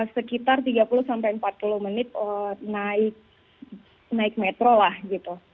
sekitar tiga puluh sampai empat puluh menit naik metro lah gitu